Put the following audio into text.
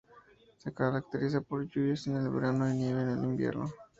Se caracteriza por lluvias en el verano y nieve en el invierno.